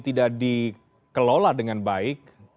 tidak dikelola dengan baik